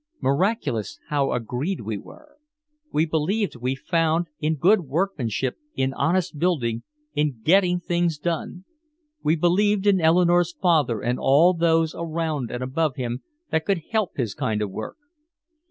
Miraculous how agreed we were! We believed, we found, in good workmanship, in honest building, in getting things done. We believed in Eleanore's father and all those around and above him that could help his kind of work.